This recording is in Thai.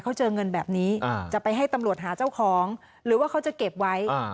เขาเจอเงินแบบนี้จะไปให้ตำรวจหาเจ้าของหรือว่าเขาจะเก็บไว้